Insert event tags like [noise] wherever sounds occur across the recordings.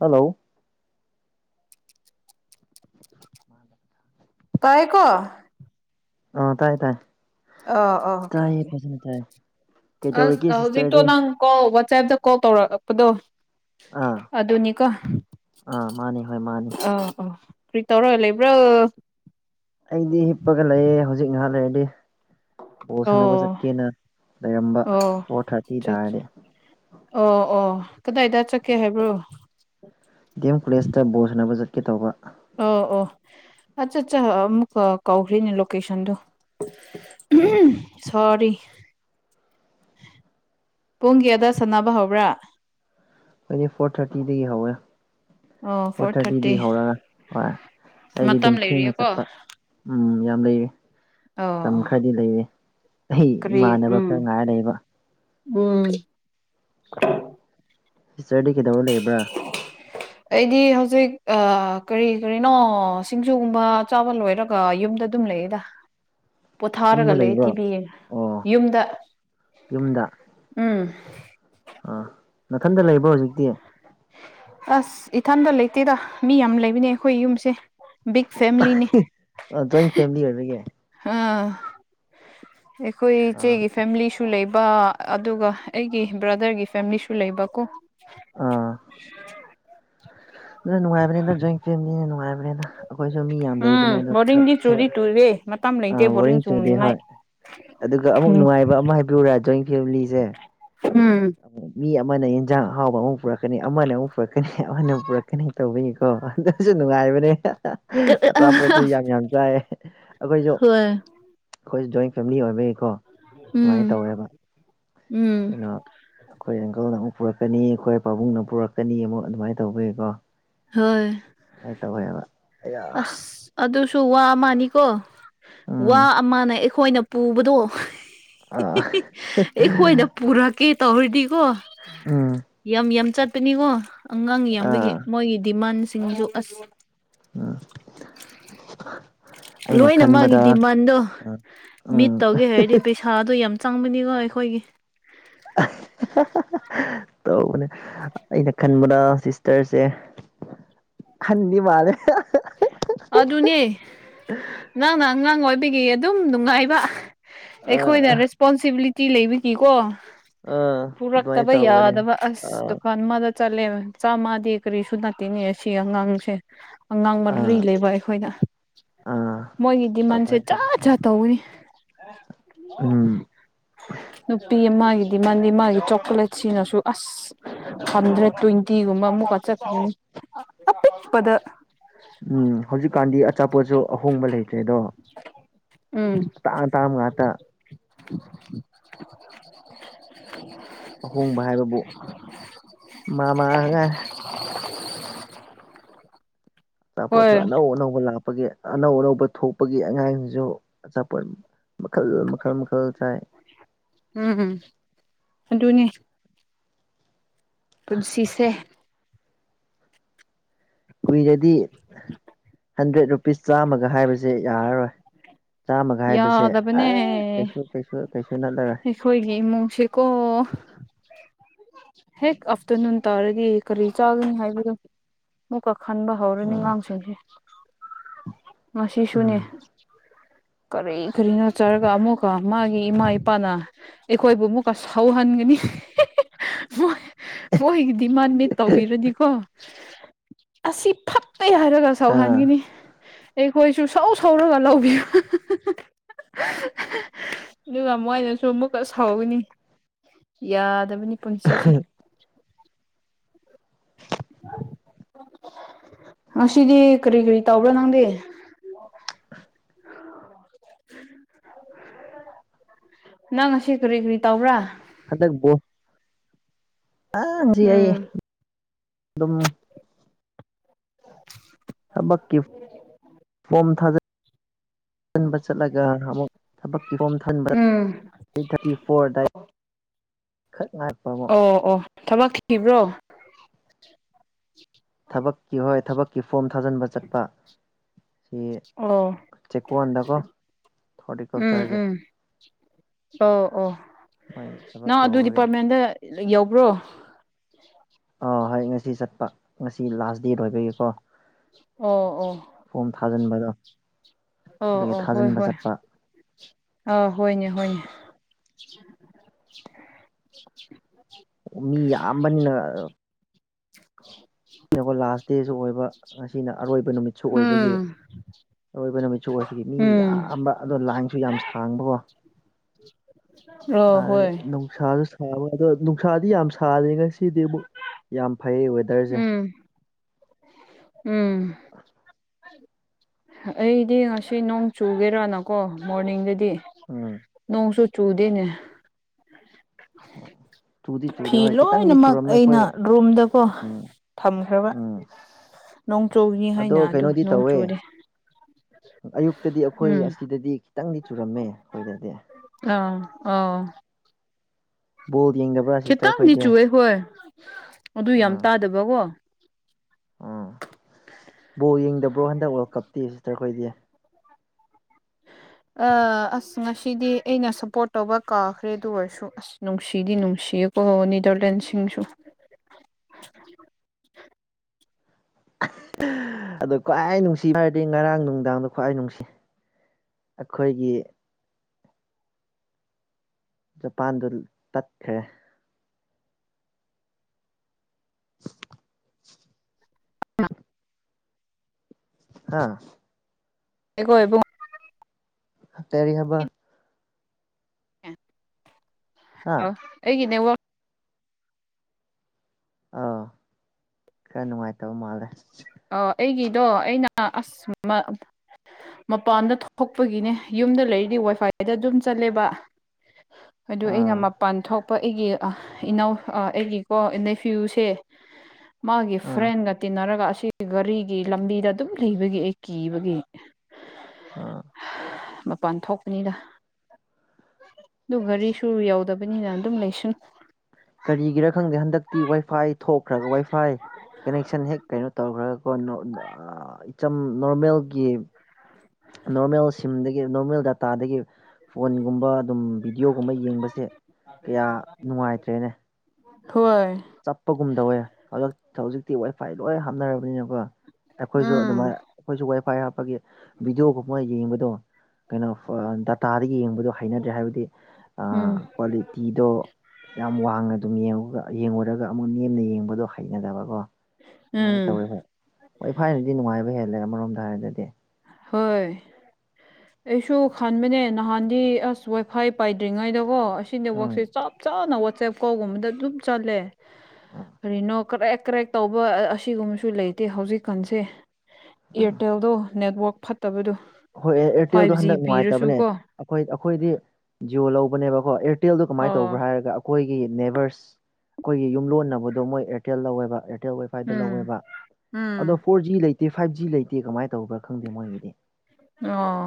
hello ꯇꯥꯏꯀꯣ ꯑ ꯇꯥꯏ ꯇꯥꯏ ꯑ ꯑꯣ ꯇꯥꯏꯌꯦ ꯐꯖꯅ ꯇꯥꯏꯌ ꯑꯁ ꯍꯧꯖꯤꯛꯇꯣ ꯅꯪ ꯀꯣꯜ ꯋꯥꯆꯦꯞꯇ ꯀꯣꯜ ꯇꯧꯔꯛꯄꯗꯣ ꯑꯥ ꯑꯗꯨꯅꯤꯀꯣ ꯑꯥ ꯃꯥꯅꯤ ꯍꯣꯏ ꯃꯥꯅꯤ ꯑꯥ ꯑꯥ ꯀ꯭ꯔꯤ ꯇꯧꯔꯒ ꯂꯩꯕ꯭ꯔꯣ ꯑꯩꯗꯤ ꯍꯤꯞꯄꯒ ꯂꯩꯑꯦ ꯍꯧꯖꯤꯛ ꯉꯍꯥꯛ ꯂꯩꯔꯗꯤ ꯕꯣꯜ ꯑꯣ ꯁꯥꯟꯅꯕ ꯆꯠꯀꯦꯅ ꯂꯩꯔꯝꯕ ꯑꯣ ꯐꯣꯔ ꯊꯥꯔꯇꯤ ꯇꯥꯔꯗꯤ ꯑꯣ ꯑꯣ ꯀꯗꯥꯏꯗ ꯆꯠꯀꯦ ꯍꯥꯏꯕ꯭ꯔꯣ ꯗꯤ ꯑꯦꯝ ꯀꯣꯂꯦꯖꯇ ꯕꯣꯜ ꯁꯥꯟꯅꯕ ꯆꯠꯀꯦ ꯇꯧꯕ ꯑꯣ ꯑꯣ ꯑꯠꯆꯥ ꯆꯥ ꯑꯃꯨꯛꯀ ꯀꯧꯈ꯭ꯔꯦꯅꯦ ꯂꯣꯀꯦꯁꯟꯗꯣ ꯑꯥ [unintelligible] ꯁꯥꯔꯤ ꯄꯨꯡ ꯀꯌꯥꯗ ꯁꯥꯟꯅꯕ ꯍꯧꯕ꯭ꯔꯥ [unintelligible] ꯐꯣꯔ ꯊꯥꯔꯇꯤꯗꯒꯤ ꯍꯧꯋꯦ ꯑꯣ ꯐꯣꯔ ꯊꯥꯔꯇꯤ ꯊꯥꯔꯇꯤꯗꯒꯤ ꯍꯧꯔꯒ ꯍꯣꯏ ꯑꯩꯗꯤ ꯃꯇꯝ ꯗꯨꯝ ꯊꯦꯡꯅ ꯂꯩꯔꯤꯌꯦꯀꯣ ꯆꯠꯄ ꯎꯝ ꯌꯥꯝ ꯂꯩꯌꯦ ꯑꯣ ꯇꯝ ꯈꯔꯗꯤ ꯂꯩꯌꯦ ꯀꯔꯤ ꯎꯝ ꯎꯝ [unintelligible] ꯁꯤꯁꯇꯔꯗꯤ ꯀꯩꯗꯧꯔ ꯂꯩꯕ꯭ꯔꯥ ꯑꯩꯗꯤ ꯍꯧꯖꯤꯛ ꯑ ꯀꯔꯤ ꯀꯔꯤꯅꯣ ꯁꯤꯡꯖꯨꯒꯨꯝꯕ ꯆꯥꯕ ꯂꯣꯏꯔꯛ ꯀꯣ ꯌꯨꯝꯗ ꯗꯨꯝ ꯂꯩꯌꯦꯗ [inaudible] ꯄꯣꯊꯥꯔꯒ ꯌꯨꯝꯗ ꯂꯩ ꯂꯩꯕ꯭ꯔꯣ ꯇꯤꯕꯤ ꯌꯦꯡ ꯑꯣ ꯌꯨꯝꯗ ꯌꯨꯝꯗ [unintelligible] ꯎꯝ ꯑꯥ ꯅꯊꯟꯗ ꯂꯩꯕ꯭ꯔꯣ ꯍꯧꯖꯤꯛꯇꯤ ꯑꯁ ꯏꯊꯟꯗ ꯂꯩꯇꯦꯗ ꯃꯤ ꯌꯥꯝ ꯂꯩꯕꯅꯦ ꯑꯩꯈꯣꯏ ꯌꯨꯝꯁꯦ ꯕꯤꯛ ꯐꯦꯃꯤꯂꯤꯅꯤ [unintelligible] ꯖꯣꯏꯟ ꯐꯦꯃꯤꯂꯤ ꯑꯣꯏꯕꯒꯤ [unintelligible] ꯑꯩꯈꯣꯏ ꯑꯥ ꯏꯆꯦꯒꯤ ꯐꯦꯃꯤꯂꯤꯁꯨ ꯂꯩꯕ ꯑꯗꯨꯒ ꯑꯩꯒꯤ ꯕ꯭ꯔꯥꯗꯔꯒꯤ ꯐꯦꯝꯂꯤꯁꯨ ꯂꯩꯕ ꯀꯣ ꯑꯥ ꯗꯨꯅ ꯅꯨꯡꯉꯥꯏꯕꯅꯤꯗ ꯖꯣꯏꯟ ꯐꯦꯝꯂꯤꯅ ꯅꯨꯡꯉꯥꯏꯕꯅꯤꯗ ꯑꯩꯈꯣꯏꯁꯨ ꯃꯤ ꯌꯥꯝ ꯂꯩꯕꯅꯦ ꯎꯝ ꯑꯗꯣ ꯊꯕꯛ ꯕꯣꯔꯗꯤꯡꯗꯤ ꯆꯨꯗꯤ ꯊꯕꯛ ꯆꯨꯔꯦ ꯃꯇꯝ ꯂꯩꯇꯦ ꯕꯣꯔꯗꯤꯡ [unintelligible] ꯆꯨꯗꯦ ꯆꯨꯅꯤꯡꯉꯥꯏ ꯍꯣꯏ ꯑꯗꯨꯒ ꯑꯃꯨꯛ ꯎꯝ ꯅꯨꯡꯉꯥꯏꯕ ꯑꯃ ꯍꯥꯏꯕꯤꯌꯨꯔꯥ ꯖꯣꯏꯟ ꯐꯦꯝꯂꯤꯁꯦ ꯎꯝ ꯑꯃꯨꯛ ꯃꯤ ꯑꯃꯅ ꯍꯦꯟꯖꯥꯡ ꯑꯍꯥꯎꯕ ꯑꯃꯨꯛ ꯄꯨꯔꯛꯀꯅꯤ ꯑꯃꯅ ꯑꯃꯨꯛ ꯄꯨꯔꯛꯀꯅꯤ ꯑꯃꯅ ꯑꯃꯨꯛ ꯄꯨꯔꯛ ꯀꯅꯤ ꯇꯧꯕꯩꯅꯤꯀꯣ ꯑꯗꯨꯁꯨ ꯅꯨꯡꯉꯥꯏꯕꯅꯦ ꯑꯆꯥꯄꯣꯠꯁꯨ ꯌꯥꯝ ꯌꯥꯝ ꯆꯥꯏꯌꯦ ꯑꯈꯣꯏꯁꯨ ꯑꯈꯣꯏꯁꯨ ꯖꯣꯏꯟ ꯐꯦꯃꯤꯂꯤ ꯑꯣꯏꯕꯒꯤꯀꯣ ꯎꯝ ꯗꯨꯃꯥꯏꯅ ꯇꯧꯋꯦꯕ ꯎꯝ ꯀꯩꯅꯣ ꯑꯩꯈꯣꯏ ꯑꯪꯀꯜꯅ ꯑꯃꯨꯛ ꯄꯨꯔꯛꯀꯅꯤ ꯑꯩꯈꯣꯏ ꯄꯥꯕꯨꯡꯅ ꯄꯨꯔꯛꯀꯅꯤ ꯑꯃꯨꯛ ꯑꯗꯨꯃꯥꯏꯅ ꯇꯧꯕꯩꯀꯣ ꯍꯣꯏ ꯑꯗꯨꯃꯥꯏꯟ ꯇꯧꯋꯦꯕ ꯑꯌꯥ ꯑꯁ ꯑꯗꯨꯁꯨ ꯋꯥ ꯑꯃꯅꯤꯀꯣ ꯋꯥ ꯎꯝ ꯑꯃꯅ ꯑꯩꯈꯣꯏꯅ- ꯄꯨꯕꯗꯣ ꯑꯥ ꯑꯩꯈꯣꯏꯅ ꯄꯨꯔꯛꯀꯦ ꯇꯧꯔꯤꯗꯤꯀꯣ ꯎꯝ ꯌꯥꯝ ꯌꯥꯝ ꯆꯠꯄꯅꯤꯀꯣ ꯑꯉꯥꯡ ꯌꯥꯝꯕꯒꯤ ꯑꯥ ꯃꯣꯏꯒꯤ ꯗꯤꯃꯥꯟꯁꯤꯡꯁꯨ ꯑꯁ ꯑꯥ ꯂꯣꯏꯅ ꯃꯥꯒꯤ ꯗꯤꯃꯥꯟꯗꯣ ꯑꯥ ꯃꯤꯠ ꯎꯝ ꯇꯧꯒꯦ ꯍꯥꯏꯔꯗꯤ ꯄꯩꯁꯥ ꯊꯥꯗꯣ ꯌꯥꯝ ꯆꯪꯕꯅꯤꯀꯣ ꯑꯩꯈꯣꯏꯒꯤ [inaudible] ꯇꯧꯕꯅꯦ ꯑꯩꯅ ꯈꯟꯕꯗ ꯁꯤꯁꯇꯔꯖꯦ ꯑꯍꯟꯗꯤ ꯃꯥꯂꯦ ꯑꯗꯨꯅꯦ ꯅꯪꯅ ꯑꯉꯥꯡ ꯑꯣꯏꯕꯒꯤ ꯑꯗꯨꯝ ꯅꯨꯡꯉꯥꯏꯕ ꯑꯩꯈꯣꯏꯅ ꯑꯥ ꯔꯦꯁꯄꯣꯟꯁꯤꯕꯤꯂꯤꯇꯤ ꯂꯩꯕꯒꯤ ꯀꯣ ꯑꯥ ꯑꯗꯨꯃꯥꯏꯅ ꯄꯨꯔꯛꯇꯕ ꯇꯧꯕꯅꯦ ꯌꯥꯗꯕ ꯑꯁ ꯑꯥ ꯗꯨꯀꯥꯟ ꯑꯃꯥꯗ ꯆꯠꯂꯦꯕ ꯆꯥꯝꯃꯗꯤ ꯀꯔꯤꯁꯨ ꯅꯥꯇꯦꯅꯦ ꯁꯤ ꯑꯉꯥꯡꯁꯦ ꯑꯉꯥꯡ ꯃꯔꯤ ꯑꯥ ꯂꯩꯕ ꯑꯩꯈꯣꯏꯅ ꯑꯥ ꯃꯣꯏꯒꯤ ꯗꯤꯃꯥꯟꯁꯦ ꯑꯗꯨꯃꯥꯏꯅ ꯇꯧꯋꯦ ꯖꯥꯠ ꯖꯥꯠ ꯇꯧꯕꯅꯤ ꯎꯝ ꯅꯨꯄꯤ ꯑꯃꯒꯤ ꯗꯤꯃꯥꯟꯗꯤ ꯃꯥꯒꯤ ꯆꯣꯀꯣ꯭ꯂꯦꯠꯁꯤꯅꯁꯨ ꯑꯁ ꯍꯟꯗ꯭ꯔꯦꯠ ꯇ꯭ꯋꯦꯟꯇꯤꯒꯨꯝꯕ ꯑꯃꯨꯛꯀ ꯆꯠꯈꯔꯅꯤ ꯑꯄꯤꯛꯄꯗ ꯎꯝ ꯍꯧꯖꯤꯛꯀꯥꯟꯗꯤ ꯑꯆꯥꯄꯣꯠꯁꯨ ꯑꯍꯣꯡꯕ ꯂꯩꯇ꯭ꯔꯦꯗꯣ ꯎꯝ ꯑꯇꯥꯡ ꯑꯇꯥꯥꯡꯕ ꯉꯥꯛꯇ [inaudible] ꯑꯍꯣꯡꯕ ꯍꯥꯏꯕꯕꯨ ꯃꯃꯥꯒ ꯑꯆꯥꯄꯣꯠꯁꯨ ꯍꯣꯏ ꯑꯅꯧ ꯑꯅꯧꯕ ꯂꯥꯛꯄꯒꯤ ꯑꯅꯧ ꯑꯅꯧꯕ ꯊꯣꯛꯄꯒꯤ ꯑꯉꯥꯡꯁꯤꯡꯁꯨ ꯑꯆꯥꯄꯣꯠ ꯃꯈꯜ ꯃꯈꯜ ꯃꯈꯜ ꯆꯥꯏ ꯎꯝ ꯎꯝ ꯑꯗꯨꯅꯦ ꯄꯨꯟꯁꯤꯁꯦ ꯀꯨꯏꯔꯗꯤ ꯍꯟꯗ꯭ꯔꯦꯠ ꯔꯨꯄꯤꯁ ꯆꯥꯝꯃꯒ ꯍꯥꯏꯕꯁꯦ ꯌꯥꯔꯔꯣꯏ ꯆꯥꯝꯃꯒ ꯍꯥꯏꯕꯁꯦ ꯌꯥꯗꯕꯅꯦ ꯑꯦ ꯀꯩꯁꯨ ꯀꯩꯁꯨ ꯀꯩꯁꯨ ꯅꯠꯂꯔꯣꯏ ꯑꯩꯈꫭꯏꯒꯤ ꯏꯃꯨꯡꯁꯤꯀꯣ ꯍꯦꯛ ꯑꯥꯐꯇꯔꯅꯨꯟ ꯇꯥꯔꯗꯤ ꯀꯔꯤ ꯆꯥꯒꯅꯤ ꯍꯥꯏꯕꯗꯣ ꯑꯃꯨꯛꯀ ꯈꯟꯕ ꯍꯧꯔꯅꯤ ꯎꯝ ꯑꯉꯥꯡꯁꯤꯡꯁꯦ ꯉꯁꯤꯁꯨꯅꯦ ꯎꯝ ꯀꯔꯤ ꯀꯔꯤꯅꯣ ꯆꯥꯔꯒ ꯑꯃꯨꯛꯀ ꯃꯥꯒꯤ ꯏꯃꯥ ꯏꯄꯥꯅ ꯑꯩꯈꯣꯏꯕꯨ ꯑꯃꯨꯛꯀ ꯁꯥꯎꯍꯟꯒꯅꯤ [inaudible] ꯃꯣꯏꯒꯤ ꯗꯤꯃꯥꯟ ꯃꯤꯠ ꯇꯧꯕꯤꯔꯅꯤꯀꯣ ꯑꯁꯤ ꯐꯠ ꯇꯦ ꯍꯥꯏꯔꯒ ꯑꯥ ꯁꯧꯍꯟꯒꯅꯤ ꯑꯩꯈꯣꯏꯁꯨ ꯁꯧ ꯁꯧꯔꯒ ꯂꯧꯕꯤ ꯑꯗꯨꯒ ꯃꯣꯏꯅꯁꯨ ꯑꯃꯨꯛꯀ ꯁꯥꯎꯒꯅꯤ ꯌꯥꯗꯕꯅꯤ ꯄꯨꯟꯁꯤꯁꯦ ꯉꯁꯤꯗꯤ ꯀꯔꯤ ꯀꯔꯤ ꯇꯧꯕ꯭ꯔꯥ ꯅꯪꯗꯤ ꯅꯪ ꯉꯁꯤ ꯀꯔꯤ ꯀꯔꯤ ꯇꯧꯕ꯭ꯔꯥ ꯍꯗꯛ ꯕꯣꯜ ꯑꯥ ꯉꯁꯤ ꯑꯩ ꯎꯝ ꯑꯗꯨꯝ ꯊꯕꯛꯀꯤ ꯐꯣꯝ ꯊꯥꯖ ꯈꯟꯕ ꯆꯠꯂꯒ ꯑꯃꯨꯛ ꯊꯕꯛꯀꯤꯐꯣꯝ ꯊꯖꯟꯕꯗ ꯎꯝ ꯊꯥꯔꯇꯤ ꯐꯣꯔꯑꯗꯥꯏ ꯈꯛ ꯉꯥꯏꯈ꯭ꯔꯕꯣ ꯑꯣ ꯑꯣ ꯊꯕꯛ ꯊꯤꯕ꯭ꯔꯣ ꯊꯕꯛꯀꯤ ꯍꯣꯏ ꯊꯕꯛꯀꯤ ꯐꯣꯝ ꯊꯥꯖꯟꯕ ꯆꯠꯄ ꯁꯤ ꯑꯣ ꯆꯦꯛꯀꯣꯟꯗꯀꯣ ꯎꯝ ꯍꯣꯔꯇꯤꯀꯜꯆꯔꯒꯤ ꯎꯝ ꯑꯣ ꯑꯣ ꯃꯣꯏꯒꯤ ꯊꯕꯛ ꯅꯪ ꯑꯗꯨ ꯀꯧꯕꯒꯤ ꯗꯤꯄꯥꯔꯠꯃꯦꯟꯗ ꯌꯧꯕ꯭ꯔꯣ ꯑꯥ ꯍꯣꯏ ꯉꯁꯤ ꯆꯠꯄ ꯉꯁꯤ ꯂꯥꯁ ꯗꯦꯠ ꯑꯣꯏꯕꯒꯤꯀꯣ ꯑꯣ ꯑꯣ ꯐꯣꯝ ꯊꯥꯖꯟꯕꯗꯣ ꯑꯣ ꯑꯣ ꯍꯣꯏ ꯍꯣꯏ ꯑꯥ ꯍꯣꯏꯅꯦ ꯍꯣꯏꯅꯦ [inaudible] ꯃꯤ ꯌꯥꯝꯕꯅꯤꯅ [inaudible] ꯉꯁꯤꯅꯀꯣ ꯂꯥꯁ ꯗꯦꯁꯨ ꯑꯣꯏꯕ ꯉꯁꯤꯅ ꯑꯔꯣꯏꯕ ꯅꯨꯃꯤꯠ ꯍꯝ ꯑꯔꯣꯏꯕ ꯅꯨꯃꯤꯠꯁꯨ ꯑꯣꯏꯕꯒꯤ ꯃꯤ ꯌꯥꯝꯕ ꯑꯗꯣ ꯂꯥꯏꯟꯁꯨ ꯌꯥꯝ ꯁꯥꯡꯕꯀꯣ ꯑꯥ ꯍꯣꯏ ꯁꯥꯁꯨ ꯁꯥꯕ ꯑꯗꯣ ꯅꯨꯡꯁꯥꯗꯤ ꯌꯥꯝ ꯁꯥꯗꯦ ꯉꯁꯤꯗꯤ ꯑꯃꯨꯛ ꯌꯥꯝ ꯐꯩꯌꯦ ꯋꯦ ꯎꯝ ꯎꯝ ꯑꯩꯗꯤ ꯉꯁꯤ ꯅꯣꯡ ꯆꯨꯒꯦꯔꯥꯅꯀꯣ ꯃꯣꯔꯅꯤꯡꯗꯗꯤ ꯎꯝ ꯅꯣꯡꯁꯨꯨ ꯆꯨꯗꯦꯅꯦ [inaudible] ꯆꯨꯗꯦ ꯐꯤ ꯍꯣꯏ ꯈꯤꯇꯪꯗꯤ ꯂꯣꯏꯅꯃꯛ ꯆꯨꯔꯝꯃꯦ ꯑꯩꯅ ꯑꯩꯈꯣꯏ ꯔꯨꯝꯗꯀꯣ ꯎꯝ ꯊꯝꯈ꯭ꯔꯕ ꯎꯝ ꯅꯣꯡꯆꯨꯅꯤ ꯑꯗꯣ ꯍꯥꯏꯅ ꯑꯗꯨ ꯀꯩꯅꯣꯗꯤ ꯅꯣꯡ ꯇꯧꯋꯦ ꯆꯨꯗꯦ ꯑꯌꯨꯛꯇꯗꯤ ꯑꯈꯣꯏ ꯎꯝ ꯑꯁꯤꯗꯗꯤ ꯈꯤꯇꯪꯗꯤ ꯆꯨꯔꯝꯃꯦ ꯑꯈꯣꯏꯗꯗꯤ ꯑꯥ ꯑꯣ ꯕꯣꯜ ꯌꯦꯡꯗꯕ꯭ꯔꯥ ꯁꯤꯁꯇꯔ ꯈꯤꯇꯪꯗꯤ ꯈꯣꯏꯗꯤ ꯆꯨꯋꯦ ꯍꯣꯏ ꯑꯗꯨ ꯌꯥꯝ ꯇꯥꯗꯕꯀꯣ ꯎꯝ ꯕꯣꯜ ꯌꯦꯡꯗꯕ꯭ꯔꯣ ꯍꯟꯗꯛ ꯋꯥꯔꯜ ꯀꯞꯇꯤ ꯁꯤꯁꯇꯔ ꯈꯣꯏꯗꯤ ꯑꯥ ꯑꯁ ꯉꯁꯤꯗꯤ ꯑꯩꯅ ꯁꯞꯄꯣꯔꯠ ꯇꯧꯕ ꯀꯥꯎꯈ꯭ꯔꯦ ꯑꯗꯨ ꯑꯣꯏꯔꯁꯨ ꯅꯨꯡꯁꯤꯗꯤ ꯅꯨꯡꯁꯤꯌꯦꯀꯣ ꯅꯦꯗꯔꯂꯦꯟꯁꯤꯡꯁꯨ ꯑꯗꯣ ꯈ꯭ꯋꯥꯏ ꯅꯨꯡꯁꯤꯕ ꯍꯥꯏꯔꯗꯤ ꯉꯔꯥꯡ ꯅꯨꯡꯗꯥꯡꯅ ꯈ꯭ꯋꯥꯏ ꯅꯨꯡꯁꯤ ꯑꯈꯣꯏꯒꯤ ꯖꯄꯥꯟꯗꯣꯜ ꯇꯠꯈ꯭ꯔꯦ ꯍꯥꯥ ꯑꯈꯣꯏ ꯏꯕꯨꯡ ꯀꯔꯤ ꯍꯥꯏꯕ ꯍꯥ ꯑꯩꯒꯤ ꯅꯦꯠꯋꯥꯛ ꯑꯥꯎ ꯈꯔ ꯅꯨꯡꯉꯥꯏꯇꯕ ꯃꯥꯜꯂꯦ ꯑꯣ ꯑꯩꯒꯤꯗꯣ ꯑꯩꯅ ꯑꯁ ꯃꯥ ꯃꯄꯥꯟꯗ ꯊꯣꯛꯄꯒꯤꯅꯦ ꯌꯨꯝꯗ ꯂꯩꯔꯤꯗꯤ ꯋꯥꯏꯐꯥꯏꯗ ꯑꯗꯨꯝ ꯆꯠꯂꯦꯕ ꯑꯗꯨ ꯑꯩꯅ ꯑꯥ ꯃꯄꯥꯟ ꯊꯣꯛꯄ ꯑꯩꯒꯤ ꯏꯅꯥꯎ ꯑꯩꯒꯤꯀꯣ ꯅꯦꯐ꯭ꯌꯨꯁꯦ [inaudible] ꯃꯥꯒꯤ ꯑꯥ ꯐ꯭ꯔꯦꯟꯒ ꯇꯤꯟꯅꯔꯒ ꯒꯥꯔꯤꯒꯤ ꯂꯝꯕꯤꯗ ꯑꯗꯨꯝ ꯂꯩꯕꯒꯤ ꯑꯩ ꯀꯤꯕꯒꯤ ꯑꯥ ꯃꯄꯥꯟ ꯊꯣꯛꯄꯅꯤꯗ ꯑꯗꯨ ꯒꯔꯤꯁꯨ ꯌꯥꯎꯗꯕꯅꯤꯅ ꯑꯗꯨꯝ ꯂꯩꯁꯟ ꯀꯔꯤꯒꯤꯔꯥ ꯈꯪꯗꯦ ꯍꯟꯗꯛꯇꯤ ꯋꯥꯏꯐꯥꯏ ꯊꯣꯛꯈ꯭ꯔꯒ ꯋꯥꯏꯐꯥꯏ ꯀꯅꯦꯛꯁꯟ ꯍꯦꯛ ꯀꯩꯅꯣ ꯇꯧꯈ꯭ꯔꯒ ꯑꯣ ꯅꯣ ꯅꯣ ꯏꯆꯝ ꯅꯣꯔꯃꯦꯜꯒꯤ ꯅꯣꯔꯃꯦꯜ ꯁꯤꯝꯗꯒꯤ ꯅꯣꯔꯃꯦꯜ ꯗꯥꯇꯥꯗꯒꯤ ꯐꯣꯟꯒꯨꯝꯕ ꯑꯗꯨꯝ ꯕꯤꯗꯤꯑꯣꯒꯨꯝꯕ ꯌꯦꯡꯕꯁꯦ ꯀꯌꯥ ꯅꯨꯡꯉꯥꯏꯇ꯭ꯔꯦꯅꯦ ꯍꯣꯏ ꯆꯞꯄꯒꯨꯝꯗꯧꯌꯦ ꯍꯧꯖꯤꯛꯇꯤ ꯋꯥꯏꯐꯥꯏ ꯂꯣꯏ ꯍꯥꯞꯅꯔꯕꯅꯤꯅꯀꯣ ꯑꯩꯈꯣꯏꯁꯨ ꯎꯝ ꯑꯗꯨꯃꯥꯏꯅ ꯑꯩꯈꯣꯏꯁꯨ ꯋꯥꯏꯐꯥꯏ ꯍꯥꯞꯄꯒꯤ ꯚꯤꯗꯤꯑꯣꯒꯨꯝꯕ ꯌꯦꯡꯕꯗꯣ ꯀꯩꯅꯣ ꯗꯥꯇꯥꯗꯒꯤ ꯌꯦꯡꯕꯗꯣ ꯍꯩꯅꯗ꯭ꯔꯦ ꯍꯥꯏꯕꯗꯤ ꯎꯝ ꯀ꯭ꯋꯥꯂꯤꯇꯤꯗꯣ ꯌꯥꯝ ꯋꯥꯡꯅꯥ ꯑꯗꯨꯝ ꯌꯦꯡꯑꯥꯒ ꯌꯦꯡꯉꯨꯔꯒ ꯑꯃꯨꯛ ꯅꯦꯝꯅ ꯌꯦꯡꯕꯗꯣ ꯍꯩꯅꯗꯕꯀꯣ ꯑꯗꯨꯃꯥꯏꯅ ꯎꯝ ꯇꯧꯌꯦꯕ ꯋꯥꯏ ꯐꯥꯏꯅꯗꯤ ꯅꯨꯡꯉꯥꯏꯕ ꯍꯦꯜꯂꯦ ꯑꯃꯔꯣꯝꯗ ꯍꯥꯏꯔꯗꯤ ꯍꯣꯏ [inaudible] ꯑꯩꯁꯨ ꯈꯟꯥꯟꯕꯅꯦ ꯅꯍꯥꯟꯗꯤ ꯑꯁ ꯋꯥꯏ ꯐꯥꯏ ꯄꯥꯏꯗ꯭ꯔꯤꯉꯩꯗꯀꯣ ꯑꯁꯤ ꯎꯝ ꯅꯦꯠꯋꯥꯛꯁꯦ ꯆꯞ ꯆꯥꯅ ꯋꯥꯆꯦꯞ ꯀꯧꯜꯒꯨꯝꯕꯗ ꯑꯗꯨꯝ ꯆꯠꯂꯦ ꯀꯔꯤꯅꯣ ꯀꯔꯦꯛ ꯀꯔꯦꯛ ꯇꯧꯕ ꯑꯁꯤꯒꯨꯝꯕꯁꯨ ꯂꯩꯇꯦ ꯍꯧꯖꯤꯛꯀꯥꯟꯁꯦ ꯎꯝ ꯑꯦꯔꯇꯦꯜꯗꯣ ꯅꯦꯠꯋꯛ ꯐꯠꯇꯕꯗꯣ ꯍꯣꯏ ꯑꯦ ꯑꯦꯔꯇꯦꯜꯗꯣ ꯐꯥꯏꯚ ꯖꯤ ꯍꯟꯗꯛ ꯄꯤꯔꯁꯨ ꯅꯨꯡꯉꯥꯏꯇꯕꯅꯦ ꯀꯣ ꯑꯩꯈꯣꯏ ꯑꯩꯈꯣꯏꯗꯤ ꯖꯤꯌꯣ ꯂꯧꯕꯅꯦꯕꯀꯣ ꯑꯦꯔꯇꯦꯜꯗꯣ ꯀꯃꯥꯏꯅ ꯑꯣ ꯇꯧꯕ꯭ꯔꯥ ꯍꯥꯏꯔꯒ ꯑꯩꯈꯣꯏꯒꯤ ꯅꯦꯕꯦꯔꯁ ꯑꯩꯈꯣꯏꯒꯤ ꯌꯨꯝꯂꯣꯟꯅꯕꯗꯣ ꯃꯣꯏ ꯑꯦꯔꯇꯦꯜ ꯂꯧꯑꯦꯕ ꯑꯔꯇꯦꯜ ꯋꯥꯏꯐꯥꯏꯗ ꯎꯝ ꯂꯧꯑꯦꯕ ꯎꯝ ꯑꯗꯣ ꯐꯣꯔ ꯖꯤ ꯂꯩꯇꯦ ꯐꯥꯏꯚ ꯖꯤ ꯂꯩꯇꯦ ꯀꯃꯥꯏꯅ ꯇꯧꯕ꯭ꯔꯥ ꯈꯪꯗꯦ ꯃꯣꯏꯒꯤꯗꯤ ꯑꯣ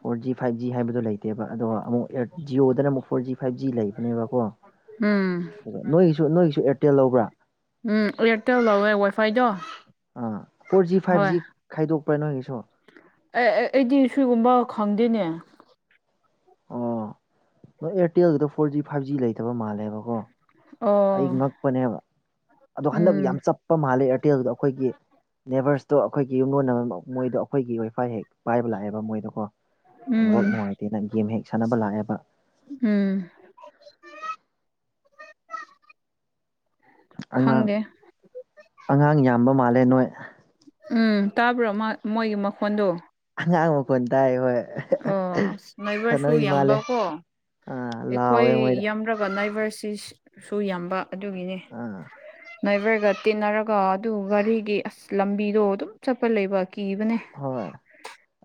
ꯐꯣꯔ ꯖꯤ ꯐꯥꯏꯚ ꯖꯤ ꯍꯥꯏꯕꯗꯣ ꯂꯩꯇꯦꯕ ꯑꯗꯣ ꯑꯃꯨꯛ ꯑꯦꯔ ꯖꯤꯌꯣꯗꯅ ꯑꯃꯨꯛ ꯐꯣꯔ ꯖꯤ ꯐꯥꯏꯚ ꯖꯤ ꯂꯩꯕꯅꯦꯕꯀꯣ ꯎꯝ ꯅꯣꯏꯒꯤꯁꯨ ꯅꯣꯏꯒꯤꯁꯨ ꯑꯦꯔꯇꯦꯜ ꯂꯧꯕ꯭ꯔꯥ ꯎꯝ ꯑꯦꯔꯇꯦꯜ ꯂꯧꯌꯦ ꯋꯥꯏꯐꯥꯏꯗꯣ ꯑꯥ ꯐꯣꯔ ꯖꯤ ꯍꯣꯏ ꯐꯥꯏꯚ ꯖꯤ ꯈꯥꯏꯗꯣꯛꯄ꯭ꯔꯥ ꯅꯣꯏꯒꯤꯁꯨ ꯑꯦ ꯑꯦ ꯑꯩꯗꯤ ꯁꯤꯒꯨꯝꯕ ꯈꯪꯗꯦꯅꯦ ꯑꯦꯌꯥꯔꯇꯦꯜꯒꯤꯗꯨ ꯐꯣꯔ ꯖꯤ ꯐꯥꯏꯚ ꯖꯤ ꯂꯩꯇꯕ ꯃꯥꯜꯂꯦꯕꯀꯣ ꯑꯩ ꯑꯣ ꯉꯛꯄꯅꯦꯕ ꯑꯗꯣ ꯍꯟꯗꯛ ꯎꯝ ꯌꯥꯝ ꯆꯞꯄ ꯃꯥꯜꯂꯦ ꯑꯦꯔꯇꯦꯜꯗꯨ ꯑꯩꯈꯣꯏꯒꯤ ꯅꯦꯕꯦꯔꯁꯇꯣ ꯑꯩꯈꯣꯏꯒꯤ ꯌꯨꯝꯂꯣꯟꯅꯕ ꯃꯣꯏꯗꯣ ꯑꯩꯈꯣꯏꯒꯤ ꯋꯥꯏꯐꯥꯏ ꯍꯦꯛ ꯄꯥꯏꯕ ꯂꯥꯛꯑꯦꯕ ꯃꯣꯏꯗꯣꯀꯣ ꯎꯝ ꯅꯦꯠꯋꯥꯛ ꯅꯨꯡꯉꯥꯏꯇꯦꯅ ꯒꯦꯝ ꯍꯦꯛ ꯁꯥꯟꯅꯕ ꯂꯥꯛꯑꯦꯕ ꯎꯝ [unintelligible] ꯑꯉꯥꯡ ꯈꯪꯗꯦ ꯑꯉꯥꯡ ꯌꯥꯝꯕ ꯃꯥꯜꯂꯦ ꯅꯣꯏ ꯎꯝ ꯇꯥꯕ꯭ꯔꯣ ꯃꯣꯏꯒꯤ ꯃꯈꯣꯟꯗꯣ ꯑꯉꯥꯡ ꯃꯈꯣꯟ ꯇꯥꯏ ꯍꯣꯏ ꯑꯣꯁ ꯅꯦꯕꯦꯔꯁꯁꯨ ꯁꯥꯟꯅꯔꯤ ꯃꯥꯜꯂꯦ ꯌꯥꯝꯕꯀꯣ ꯑꯥ ꯑꯩꯈꯣꯏ ꯂꯥꯎꯋꯦ ꯃꯣꯏꯗ ꯌꯥꯝ ꯐ꯭ꯔꯒ ꯅꯥꯏꯕꯔꯁꯤ ꯁꯨ ꯌꯥꯝꯕ ꯑꯗꯨꯒꯤꯅꯤ ꯑꯥ ꯅꯥꯏꯕꯔꯒ ꯇꯤꯟꯅꯔꯒ ꯑꯗꯨ ꯒꯥꯔꯤꯒꯤ ꯑꯁ ꯂꯝꯕꯤꯗꯣ ꯑꯗꯨꯝ ꯆꯠꯄ ꯂꯩꯕ ꯀꯤꯕꯅꯦ ꯍꯣꯏ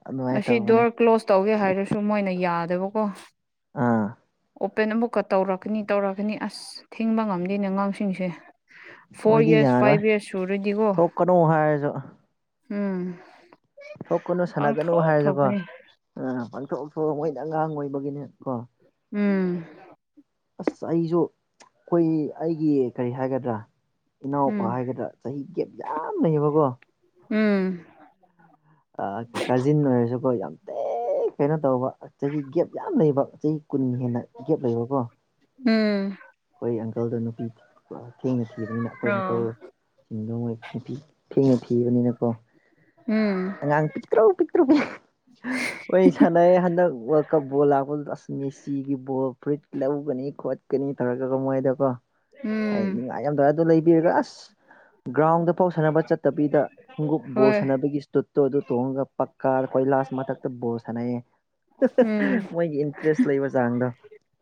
ꯑꯗꯨꯃꯥꯏꯅ ꯑꯁꯤ ꯇꯧꯕꯅꯦ ꯗꯣꯔ ꯀ꯭ꯂꯣꯁ ꯇꯧꯒꯦ ꯍꯥꯏꯔꯁꯨ ꯃꯣꯏꯅ ꯌꯥꯗꯕꯀꯣ ꯑꯥ ꯑꯣꯄꯦꯟ ꯑꯃꯨꯛꯀ ꯇꯧꯔꯛꯀꯅꯤ ꯇꯧꯔꯛꯀꯅꯤ ꯑꯁ ꯊꯤꯡꯕ ꯉꯝꯗꯦꯅꯦ ꯑꯉꯥꯡꯁꯤꯡꯁꯦ ꯐꯣꯔ ꯃꯣꯏꯗꯤ ꯏꯌꯔ ꯌꯥꯔꯣꯏ ꯐꯥꯏꯚ ꯏꯌꯔ ꯁꯨꯔꯗꯤꯀꯣ ꯊꯣꯛꯀꯅꯨ ꯍꯥꯏꯔꯁꯨ ꯎꯝ ꯊꯣꯛꯀꯅꯨ ꯁꯥꯟꯅꯒꯅꯨ ꯄꯥꯡꯊꯣꯛ ꯍꯥꯏꯔꯕ ꯊꯣꯛꯄꯅꯤ ꯑꯥ ꯄꯡꯊꯣ ꯊꯣꯛꯑ ꯃꯣꯏꯅ ꯑꯉꯥꯡ ꯑꯣꯏꯕꯒꯤꯅꯦ ꯀꯣ ꯎꯝ ꯑꯁ ꯑꯩꯁꯨ ꯑꯈꯣꯏ ꯑꯩꯒꯤ ꯀꯔꯤ ꯍꯥꯏꯒꯗ꯭ꯔꯥ ꯏꯅꯥꯎꯄꯥ ꯎꯝ ꯍꯥꯏꯒꯗ꯭ꯔꯥ ꯆꯍꯤ ꯒꯦꯞ ꯌꯥꯝ ꯂꯩꯌꯦꯕꯀꯣ ꯎꯝ ꯑꯥ ꯀꯥꯖꯤꯟ ꯑꯣꯏꯔꯁꯨꯀꯣ ꯌꯥꯝ ꯇꯤ ꯊꯤ ꯀꯩꯅꯣ ꯇꯧꯕ ꯆꯍꯤ ꯒꯦꯞ ꯌꯥꯝ ꯂꯩꯕ ꯆꯍꯤ ꯀꯨꯟ ꯍꯦꯟꯅ ꯒꯦꯞ ꯂꯩꯕꯀꯣ ꯎꯝ ꯑꯩꯈꯣꯏ ꯑꯪꯀꯜꯗꯣ ꯅꯨꯄꯤ ꯊꯦꯡꯅ ꯊꯤꯕꯅꯤꯅ ꯑꯩꯈꯣꯏ ꯑ ꯑꯪꯀꯜ ꯗꯧꯉꯩ ꯅꯣꯄꯤ ꯊꯦꯡꯅꯥ ꯊꯤꯕꯅꯤꯅꯀꯣ ꯎꯝ ꯉꯥꯡ ꯄꯤꯛꯇ꯭ꯔꯨ ꯄꯤꯛꯇ꯭ꯔꯨ ꯄꯤ ꯑꯩ ꯁꯥꯟꯅꯩ ꯍꯟꯗꯛ ꯋꯥꯜꯀꯞ ꯕꯣꯜ ꯂꯥꯛꯄꯗꯨꯗ ꯑꯁ ꯃꯦꯁꯤꯒꯤ ꯕꯣꯜ ꯐꯨꯔꯤꯠ ꯂꯧꯒꯅꯤ ꯈꯣꯠꯀꯅꯤ ꯇꯧꯔꯒ ꯀꯣ ꯃꯣꯏꯗꯣꯀꯣ ꯑꯩ ꯎꯝ ꯅꯤꯡꯉꯥꯏ ꯌꯥꯝ ꯗꯋꯦ ꯑꯗꯨ ꯂꯩꯕꯤꯔꯒ ꯑꯁ ꯒ꯭ꯔꯥꯎꯟꯗ ꯐꯥꯎ ꯁꯥꯟꯅꯕ ꯆꯠꯇꯕꯤꯗ ꯈꯣꯡꯎꯞ ꯕꯣꯜ ꯍꯣꯏ ꯁꯥꯟꯅꯕꯒꯤ ꯇꯨꯠꯇꯨ ꯑꯗꯨ ꯇꯣꯡꯉꯒ ꯄꯛꯀꯥ ꯀꯣꯏꯂꯥꯁ ꯃꯊꯛꯇ ꯕꯣꯜ ꯁꯥꯟꯅꯩꯑꯦ ꯎꯝ ꯃꯣꯏꯒꯤ ꯏꯟꯗ꯭ꯔꯦꯁ ꯂꯩꯕ ꯆꯥꯡꯗꯣ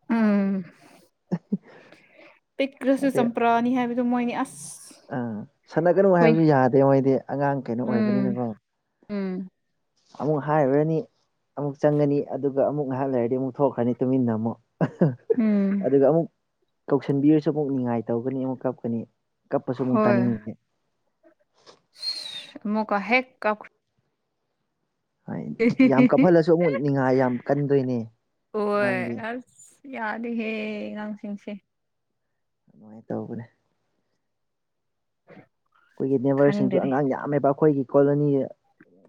ꯎꯝ ꯄꯤꯛꯈ꯭ꯔꯨꯁꯨ ꯑꯗꯤ ꯆꯝꯄ꯭ꯔꯥꯅꯤ ꯍꯥꯏꯕꯗꯨ ꯃꯣꯏꯅꯤ ꯑꯁ ꯑꯥ ꯁꯥꯟꯅꯒꯅꯨ ꯍꯣꯏ ꯍꯥꯏꯕꯁꯨ ꯌꯥꯗꯦ ꯃꯣꯏꯗꯤ ꯑꯉꯥꯡ ꯀꯩꯅꯣ ꯎꯝ ꯑꯣꯏꯕꯅꯤꯅꯀꯣ ꯎꯝ ꯑꯃꯨꯛ ꯍꯥꯏꯔꯨꯔꯅꯤ ꯑꯃꯨꯛ ꯆꯪꯒꯅꯤ ꯑꯗꯨꯒ ꯑꯃꯨꯛ ꯉꯥꯏꯍꯥꯛ ꯂꯩꯔꯗꯤ ꯑꯃꯨꯛ ꯊꯣꯛꯈ꯭ꯔꯅꯤ ꯇꯨꯃꯤꯟꯅ ꯑꯃꯨꯛ ꯎꯝ ꯑꯗꯨꯒ ꯑꯃꯨꯛ ꯀꯧꯁꯟꯕꯤꯔꯁꯨ ꯑꯃꯨꯛ ꯅꯤꯉꯥꯏ ꯇꯧꯒꯅꯤ ꯑꯃꯨꯛ ꯀꯞꯀꯅꯤ ꯀꯞꯄꯁꯨ ꯑꯃꯨꯛ ꯇꯥꯅꯤꯡꯉꯦ ꯑꯁ ꯑꯃꯨꯛꯀ ꯍꯦꯛ ꯀꯞ ꯍꯥꯏ ꯌꯥꯝ ꯀꯞꯍꯜꯂꯁꯨ ꯑꯃꯨꯛ ꯅꯤꯡꯉꯥꯏ ꯌꯥꯝ ꯀꯟꯗꯣꯏꯅꯦ ꯍꯣꯏ ꯑꯉꯥꯡꯗꯤ ꯌꯥꯗꯦꯍꯦ ꯑꯉꯥꯡꯁꯤꯡꯁꯦ ꯑꯗꯨꯃꯥꯏꯅ ꯇꯧꯕꯅꯦ ꯑꯩꯈꯣꯏꯒꯤ ꯅꯦꯕꯔꯁꯤꯡꯁꯨ ꯈꯪꯗꯔꯦ ꯑꯉꯥꯡ ꯌꯥꯝꯃꯦꯕ ꯑꯩꯈꯣꯏꯒꯤ ꯀꯣꯂꯣꯅꯤ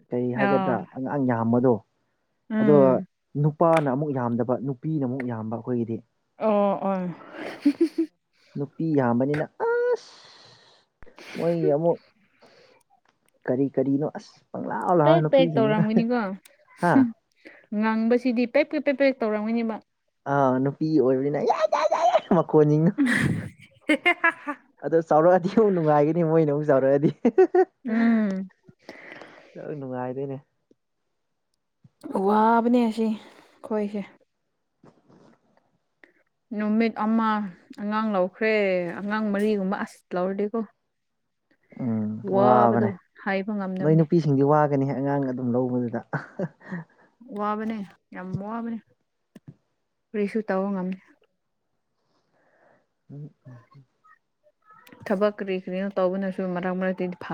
ꯀꯔꯤ ꯍꯥꯏꯒꯗ꯭ꯔꯥ ꯑꯥ ꯑꯉꯥꯡ ꯌꯥꯝꯕꯗꯣ ꯑꯗꯣ ꯎꯝ ꯅꯨꯄꯥꯅ ꯑꯃꯨꯛ ꯌꯥꯝꯗꯕ ꯅꯨꯄꯤꯅ ꯑꯃꯨꯛ ꯌꯥꯝꯕ ꯑꯩꯈꯣꯏꯒꯤꯗꯤ ꯑꯣ ꯑꯣꯏ ꯅꯨꯄꯤ ꯌꯥꯝꯕꯅꯤꯅ ꯑꯥ ꯃꯣꯏꯒꯤ ꯑꯃꯨꯛ ꯀꯔꯤ ꯀꯔꯤꯅꯣ ꯑꯁ ꯄꯪꯂꯥꯎ ꯄꯦꯛ ꯂꯥꯎꯔ ꯄꯦꯛ ꯅꯨꯄꯤꯁꯤꯡꯅꯤꯅ ꯇꯧꯔꯝꯒꯅꯤꯀꯣ ꯍꯥ ꯉꯥꯡꯕꯁꯤꯗꯤ ꯄꯦꯞ ꯄꯦꯞ ꯄꯦꯞ ꯄꯦꯛ ꯇꯧꯔꯝꯒꯅꯤꯕ ꯑꯥ ꯅꯨꯄꯤ ꯑꯣꯏꯕꯅꯤꯅ ꯌꯥ ꯌꯥ ꯌꯥ ꯌꯥ ꯃꯈꯣꯟꯁꯤꯡꯅ ꯑꯗꯣ ꯆꯥꯎꯔꯛꯑꯗꯤ ꯑꯃꯨꯛ ꯅꯨꯡꯉꯥꯏꯒꯅꯤ ꯃꯣꯏꯅ ꯑꯃꯨꯛ ꯆꯥꯎꯔꯛꯑꯗꯤ ꯎꯝ ꯑ ꯅꯨꯡꯉꯥꯏꯗꯨꯏꯅꯦ ꯋꯥꯕꯅꯦ ꯁꯤ ꯈꯣꯏꯁꯦ [inaudible] ꯅꯨꯃꯤꯠ ꯑꯃ ꯑꯉꯥꯡ ꯂꯧꯈ꯭ꯔꯦ ꯑꯉꯥꯡ ꯃꯔꯤꯒꯨꯝꯕ ꯑꯁ ꯂꯧꯔꯗꯤꯦꯀꯣ ꯎꯝ ꯋꯥꯕꯅꯦ ꯍꯥꯏꯕ ꯂꯣꯏ ꯉꯝꯗꯕꯅꯦ ꯅꯨꯄꯤ ꯁꯤꯡꯗꯤ ꯋꯥꯒꯅꯤꯍ ꯑꯉꯥꯡ ꯑꯗꯨꯝ ꯂꯧꯕꯗꯨꯗ ꯋꯥꯕꯅꯦ ꯌꯥꯝ ꯋꯥꯕꯅꯦ ꯀꯔꯤꯁꯨ ꯇꯧꯕ ꯉꯝꯅꯤ ꯎꯝ ꯎꯝ ꯊꯕꯛ ꯀꯔꯤ ꯀꯔꯤꯅꯣ ꯇꯧꯕꯅꯁꯨ ꯃꯔꯛ ꯃꯔꯛꯇꯗꯤ ꯐꯥ